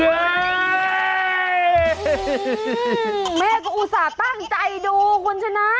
แม่ก็อุตส่าห์ตั้งใจดูคุณชนะ